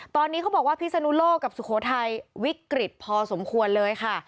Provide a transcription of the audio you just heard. ตอนนี้เขาบอกว่าพิศนุโลกกับสุโขทัยวิกฤตพอสมควรเลยค่ะ